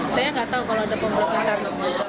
saya nggak tahu kalau ada pembelakuan tarif